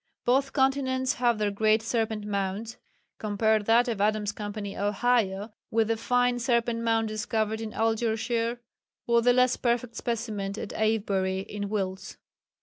Both continents have their great serpent mounds; compare that of Adams Co., Ohio, with the fine serpent mound discovered in Argyleshire, or the less perfect specimen at Avebury in Wilts.